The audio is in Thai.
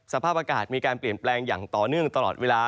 สภาพอากาศมีการเปลี่ยนแปลงอย่างต่อเนื่องตลอดเวลา